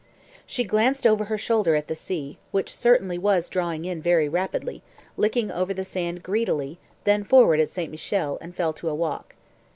She glanced over her shoulder at the sea, which certainly was drawing in very rapidly, licking over the sand greedily, then forward at St. Michel, and fell to a walk.